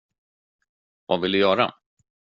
Vad vill du göra?